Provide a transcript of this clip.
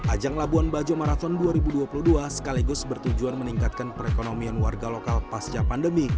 ajang labuan bajo marathon dua ribu dua puluh dua sekaligus bertujuan meningkatkan perekonomian warga lokal pasca pandemi